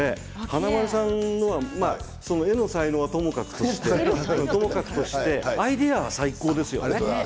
華丸さんのは絵の才能はともかくとしてアイデアは最高ですよね。